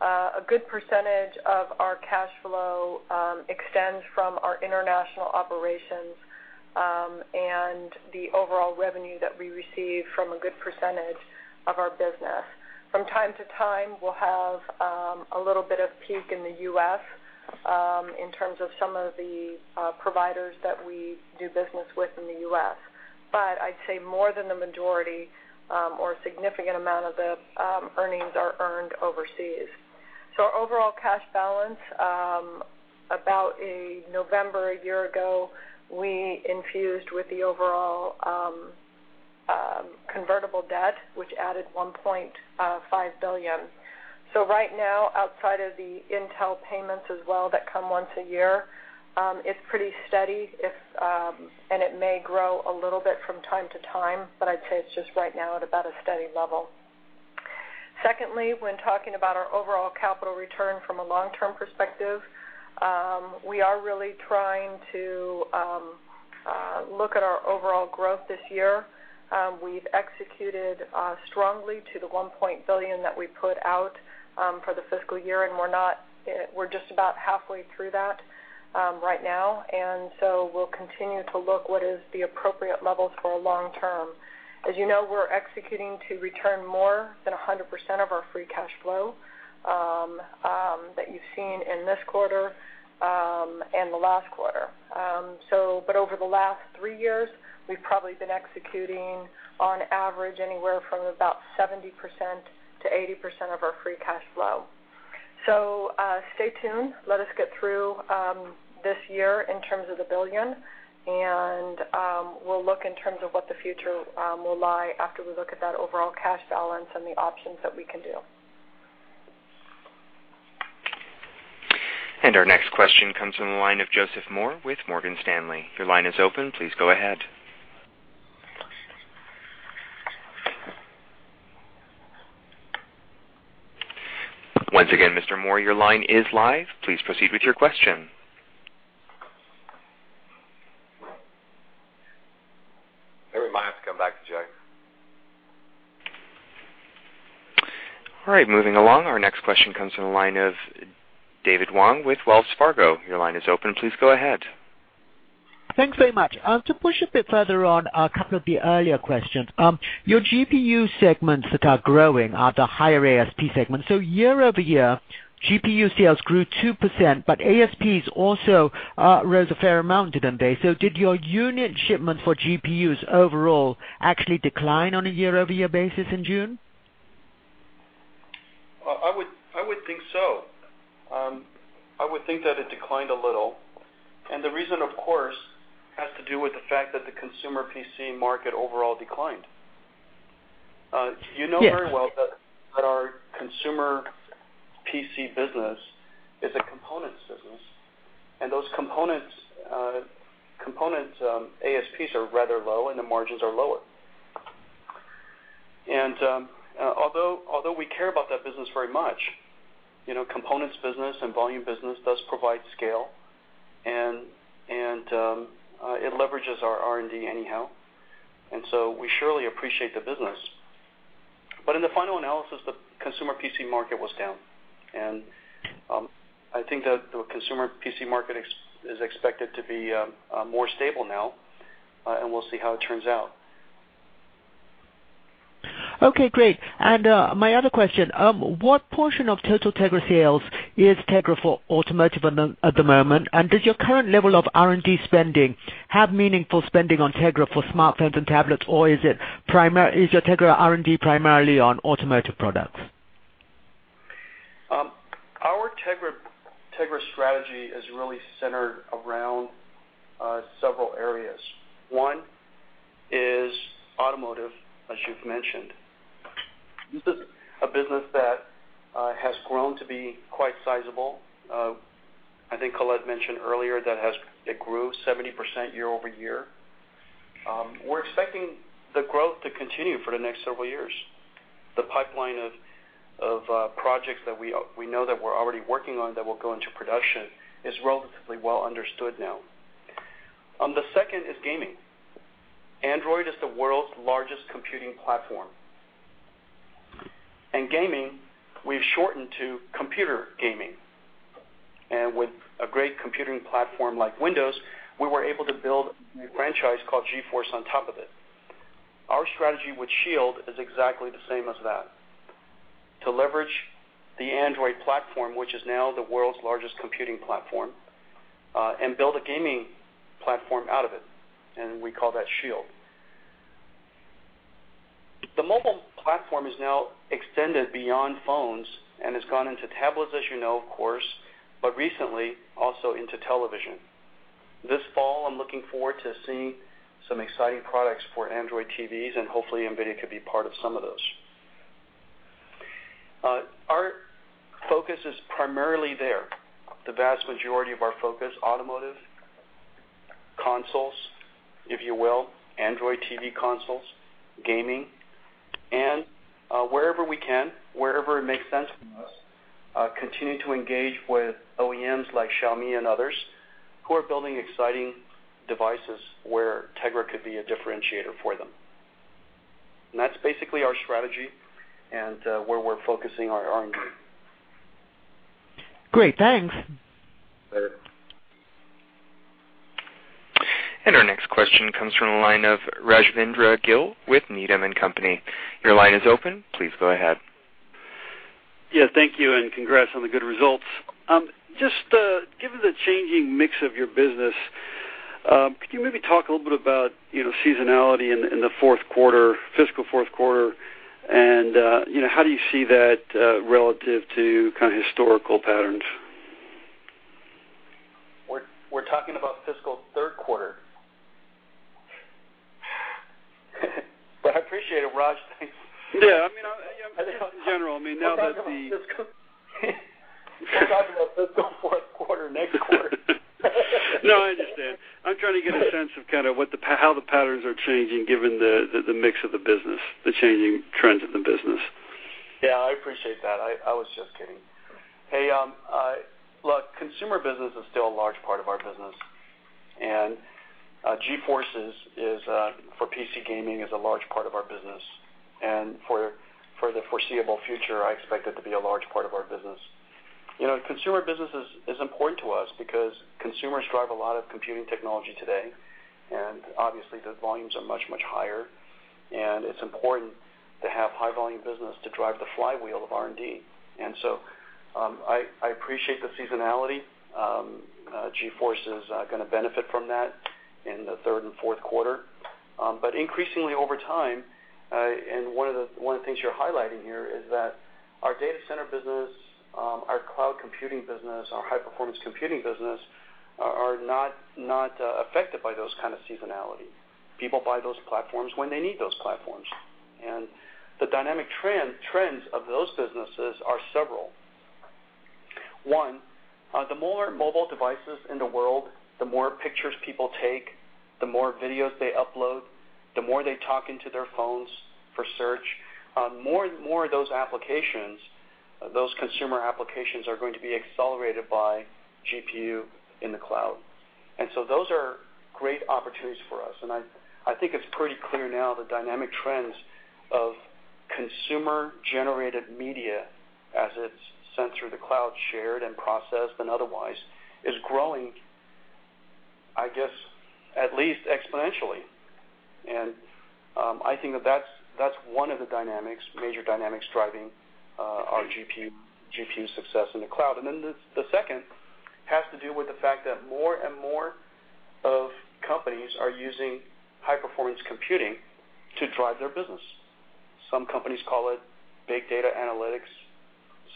a good percentage of our cash flow extends from our international operations, and the overall revenue that we receive from a good percentage of our business. From time to time, we'll have a little bit of peak in the U.S. in terms of some of the providers that we do business with in the U.S. I'd say more than the majority, or a significant amount of the earnings are earned overseas. Our overall cash balance, about November a year ago, we infused with the overall convertible debt, which added $1.5 billion. Right now, outside of the Intel payments as well that come once a year, it's pretty steady. It may grow a little bit from time to time, I'd say it's just right now at about a steady level. Secondly, when talking about our overall capital return from a long-term perspective, we are really trying to look at our overall growth this year. We've executed strongly to the $1 billion that we put out for the fiscal year, we're just about halfway through that right now. We'll continue to look what is the appropriate levels for long term. As you know, we're executing to return more than 100% of our free cash flow, that you've seen in this quarter, the last quarter. Over the last three years, we've probably been executing on average anywhere from about 70%-80% of our free cash flow. Stay tuned. Let us get through this year in terms of the billion, we'll look in terms of what the future will lie after we look at that overall cash balance and the options that we can do. Our next question comes from the line of Joseph Moore with Morgan Stanley. Your line is open. Please go ahead. Once again, Mr. Moore, your line is live. Please proceed with your question. Maybe remind us to come back to Jen. All right. Moving along. Our next question comes from the line of David Wong with Wells Fargo. Your line is open. Please go ahead. Thanks very much. To push a bit further on a couple of the earlier questions. Your GPU segments that are growing are the higher ASP segments. Year-over-year, GPU sales grew 2%, but ASPs also rose a fair amount to them, Dave. Did your unit shipment for GPUs overall actually decline on a year-over-year basis in June? I would think so. I would think that it declined a little. The reason, of course, has to do with the fact that the consumer PC market overall declined. Yes. You know very well that our consumer PC business is a components business, those components' ASPs are rather low, and the margins are lower. Although we care about that business very much, components business and volume business does provide scale, it leverages our R&D anyhow, so we surely appreciate the business. In the final analysis, the consumer PC market was down. I think that the consumer PC market is expected to be more stable now, we'll see how it turns out. Okay, great. My other question, what portion of total Tegra sales is Tegra for automotive at the moment? Does your current level of R&D spending have meaningful spending on Tegra for smartphones and tablets, or is your Tegra R&D primarily on automotive products? Our Tegra strategy is really centered around several areas. One is automotive, as you've mentioned. This is a business that has grown to be quite sizable. I think Colette mentioned earlier that it grew 70% year-over-year. We're expecting the growth to continue for the next several years. The pipeline of projects that we know that we're already working on that will go into production is relatively well understood now. The second is gaming. Android is the world's largest computing platform. In gaming, we've shortened to computer gaming. With a great computing platform like Windows, we were able to build a new franchise called GeForce on top of it. Our strategy with Shield is exactly the same as that, to leverage the Android platform, which is now the world's largest computing platform, build a gaming platform out of it, we call that Shield. The mobile platform is now extended beyond phones and has gone into tablets, as you know, of course, but recently, also into television. This fall, I'm looking forward to seeing some exciting products for Android TVs, and hopefully NVIDIA could be part of some of those. Our focus is primarily there. The vast majority of our focus, automotive, consoles, if you will, Android TV consoles, gaming, and wherever we can, wherever it makes sense for us, continue to engage with OEMs like Xiaomi and others who are building exciting devices where Tegra could be a differentiator for them. That's basically our strategy and where we're focusing our R&D. Great. Thanks. Later. Our next question comes from the line of Rajvindra Gill with Needham & Company. Your line is open. Please go ahead. Thank you, and congrats on the good results. Just given the changing mix of your business, could you maybe talk a little bit about seasonality in the fiscal fourth quarter, and how do you see that relative to historical patterns? We're talking about fiscal third quarter. I appreciate it, Raj. Thanks. Yeah. In general. We're talking about fiscal fourth quarter, next quarter. No, I understand. I'm trying to get a sense of how the patterns are changing given the mix of the business, the changing trends of the business. Yeah, I appreciate that. I was just kidding. Hey, look, consumer business is still a large part of our business, GeForce for PC gaming is a large part of our business. For the foreseeable future, I expect it to be a large part of our business. Consumer business is important to us because consumers drive a lot of computing technology today, and obviously the volumes are much, much higher, and it's important to have high volume business to drive the flywheel of R&D. I appreciate the seasonality. GeForce is going to benefit from that in the third and fourth quarter. Increasingly over time, and one of the things you're highlighting here is that our data center business, our cloud computing business, our high-performance computing business, are not affected by those kind of seasonality. People buy those platforms when they need those platforms. The dynamic trends of those businesses are several. One, the more mobile devices in the world, the more pictures people take, the more videos they upload, the more they talk into their phones for search. More of those applications, those consumer applications, are going to be accelerated by GPU in the cloud. Those are great opportunities for us, and I think it's pretty clear now the dynamic trends of consumer-generated media as it's sent through the cloud, shared, and processed, and otherwise, is growing, I guess, at least exponentially. I think that's one of the major dynamics driving our GPU success in the cloud. The second has to do with the fact that more and more companies are using high-performance computing to drive their business. Some companies call it big data analytics.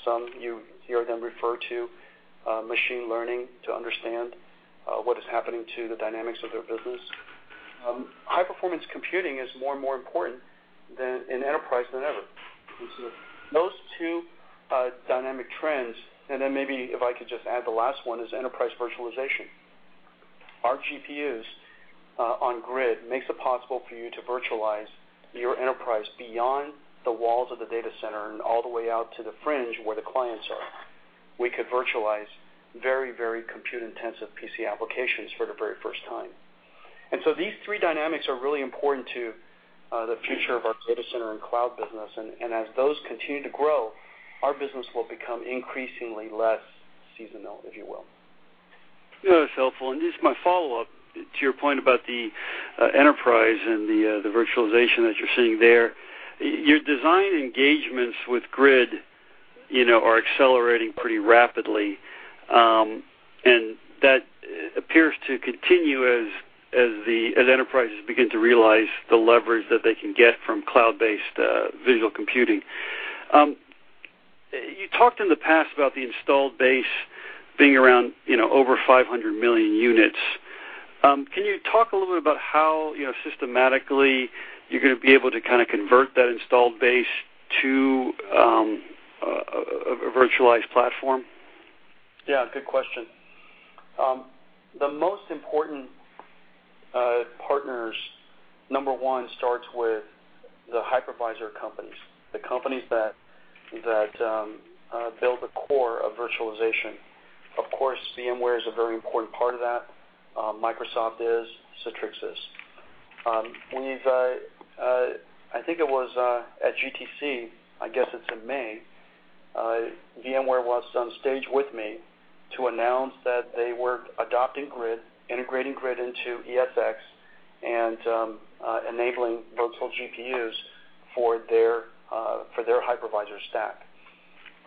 Some, you hear them refer to machine learning to understand what is happening to the dynamics of their business. High-performance computing is more and more important in enterprise than ever. Those two dynamic trends, maybe if I could just add the last one is enterprise virtualization. Our GPUs on Grid makes it possible for you to virtualize your enterprise beyond the walls of the data center and all the way out to the fringe where the clients are. We could virtualize very, very compute-intensive PC applications for the very first time. These three dynamics are really important to the future of our data center and cloud business. As those continue to grow, our business will become increasingly less seasonal, if you will. That's helpful. Just my follow-up to your point about the enterprise and the virtualization that you're seeing there. Your design engagements with Grid are accelerating pretty rapidly. That appears to continue as enterprises begin to realize the leverage that they can get from cloud-based visual computing. You talked in the past about the installed base being around over 500 million units. Can you talk a little bit about how systematically you're going to be able to convert that installed base to a virtualized platform? Yeah, good question. The most important partners, number one, starts with the hypervisor companies, the companies that build the core of virtualization. Of course, VMware is a very important part of that, Microsoft is, Citrix is. I think it was at GTC, I guess it's in May, VMware was on stage with me to announce that they were adopting Grid, integrating Grid into ESXi, and enabling virtual GPUs for their hypervisor stack.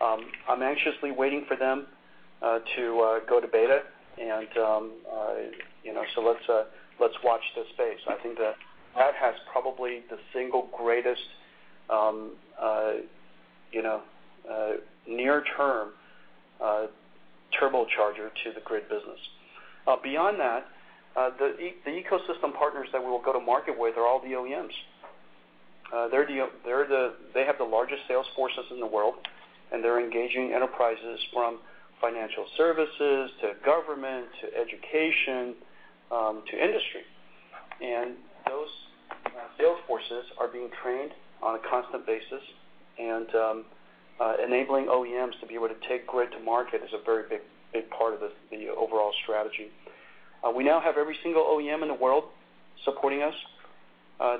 I'm anxiously waiting for them to go to beta. Let's watch this space. I think that has probably the single greatest near-term turbocharger to the Grid business. Beyond that, the ecosystem partners that we'll go to market with are all the OEMs. They have the largest sales forces in the world, and they're engaging enterprises from financial services to government to education to industry. Those sales forces are being trained on a constant basis, and enabling OEMs to be able to take Grid to market is a very big part of the overall strategy. We now have every single OEM in the world supporting us.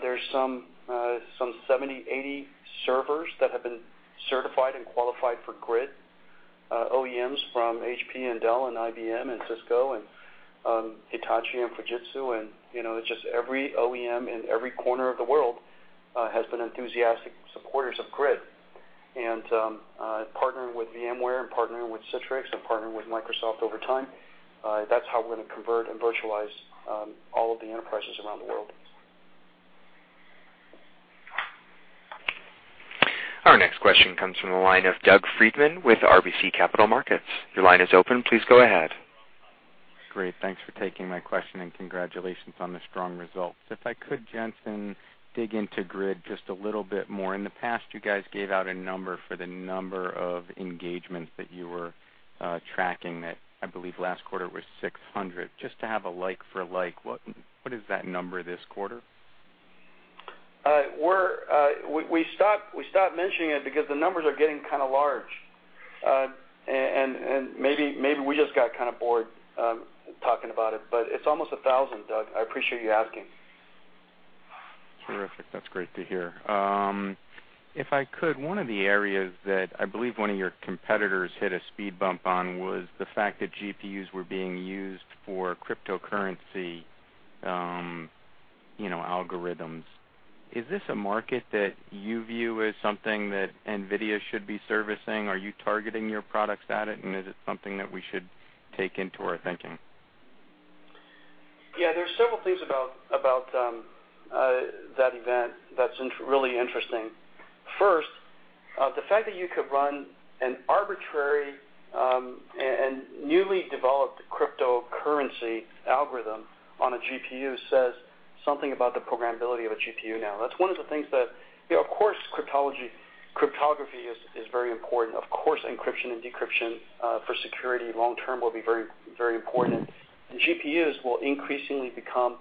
There's some 70, 80 servers that have been certified and qualified for Grid. OEMs from HP and Dell and IBM and Cisco and Hitachi and Fujitsu, and it's just every OEM in every corner of the world has been enthusiastic supporters of Grid. Partnering with VMware and partnering with Citrix and partnering with Microsoft over time, that's how we're going to convert and virtualize all of the enterprises around the world. Our next question comes from the line of Doug Freedman with RBC Capital Markets. Your line is open. Please go ahead. Great. Thanks for taking my question, and congratulations on the strong results. If I could, Jensen, dig into Grid just a little bit more. In the past, you guys gave out a number for the number of engagements that you were tracking that I believe last quarter was 600. Just to have a like for like, what is that number this quarter? We stopped mentioning it because the numbers are getting kind of large. Maybe we just got kind of bored talking about it, but it's almost 1,000, Doug. I appreciate you asking. Terrific. That's great to hear. If I could, one of the areas that I believe one of your competitors hit a speed bump on was the fact that GPUs were being used for cryptocurrency algorithms. Is this a market that you view as something that NVIDIA should be servicing? Are you targeting your products at it, and is it something that we should take into our thinking? Yeah, there's several things about that event that's really interesting. First, the fact that you could run an arbitrary and newly developed cryptocurrency algorithm on a GPU says something about the programmability of a GPU now. Of course, cryptography is very important. Of course, encryption and decryption for security long term will be very important, and GPUs will increasingly become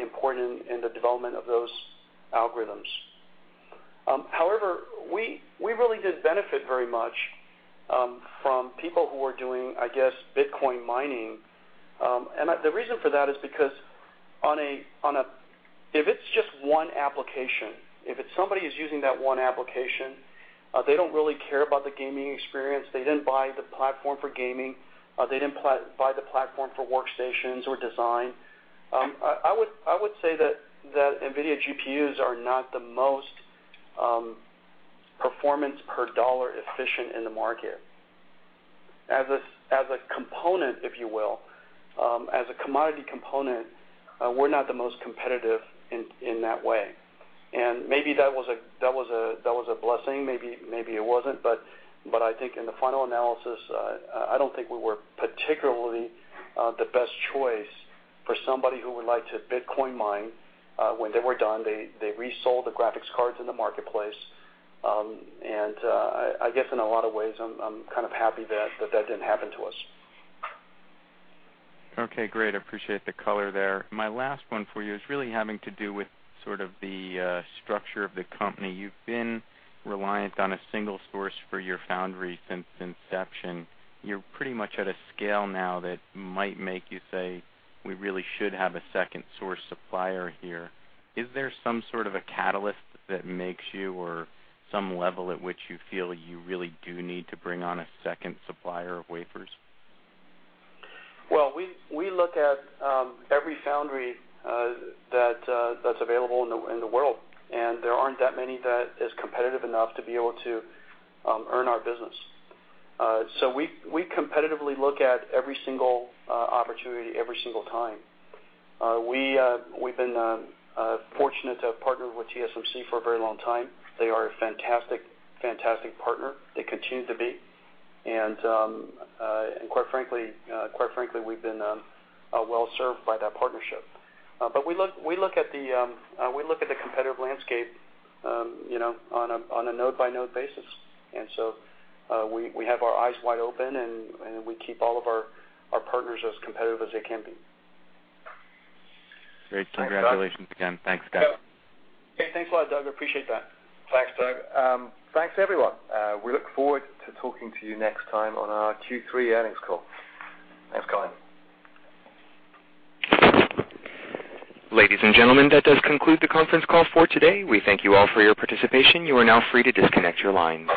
important in the development of those algorithms. However, we really didn't benefit very much from people who were doing, I guess, Bitcoin mining. The reason for that is because if it's just one application, if it's somebody who's using that one application, they don't really care about the gaming experience. They didn't buy the platform for gaming. They didn't buy the platform for workstations or design. I would say that NVIDIA GPUs are not the most performance per dollar efficient in the market. As a component, if you will, as a commodity component, we're not the most competitive in that way. Maybe that was a blessing, maybe it wasn't. I think in the final analysis, I don't think we were particularly the best choice for somebody who would like to Bitcoin mine. When they were done, they resold the graphics cards in the marketplace. I guess in a lot of ways, I'm kind of happy that didn't happen to us. Okay, great. I appreciate the color there. My last one for you is really having to do with sort of the structure of the company. You've been reliant on a single source for your foundry since inception. You're pretty much at a scale now that might make you say, "We really should have a second source supplier here." Is there some sort of a catalyst that makes you or some level at which you feel you really do need to bring on a second supplier of wafers? Well, we look at every foundry that's available in the world, and there aren't that many that is competitive enough to be able to earn our business. We competitively look at every single opportunity every single time. We've been fortunate to have partnered with TSMC for a very long time. They are a fantastic partner. They continue to be. Quite frankly, we've been well-served by that partnership. We look at the competitive landscape on a node-by-node basis. We have our eyes wide open, and we keep all of our partners as competitive as they can be. Great. Congratulations again. Thanks, guys. Yeah. Thanks a lot, Doug. I appreciate that. Thanks, Doug. Thanks, everyone. We look forward to talking to you next time on our Q3 earnings call. Thanks, Colin. Ladies and gentlemen, that does conclude the conference call for today. We thank you all for your participation. You are now free to disconnect your lines.